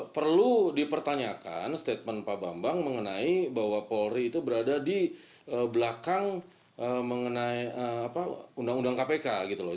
perlu dipertanyakan statement pak bambang mengenai bahwa polri itu berada di belakang mengenai undang undang kpk gitu loh